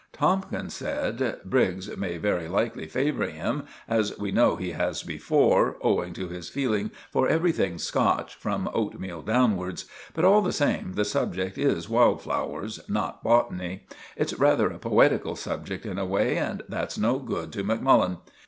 Tomkins said, "Briggs may very likely favour him, as we know he has before, owing to his feeling for everything Scotch, from oatmeal downwards; but, all the same, the subject is wild flowers, not botany. It's rather a poetical subject in a way, and that's no good to Macmullen.